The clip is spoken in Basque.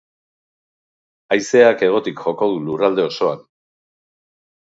Haizeak hegotik joko du lurralde osoan.